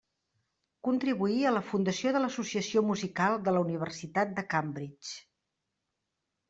Contribuí a la fundació de l’Associació musical de la universitat de Cambridge.